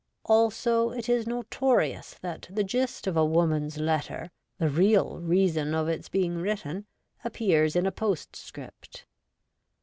Also, it is notorious that the gist of a woman's letter, the real reason of its being written, appears in a postscript.